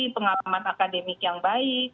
pengalaman akademik yang baik